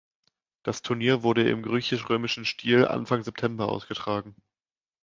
Das Turnier wurde im griechisch-römischen Stil Anfang September ausgetragen.